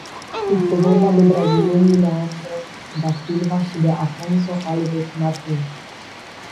Este vorba de brazilienii Leandro da Silva și de Afonso Alves Martins.